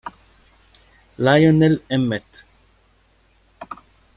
Lionel Emmett